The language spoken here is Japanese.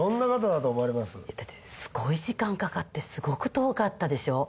だってすごい時間かかってすごく遠かったでしょう？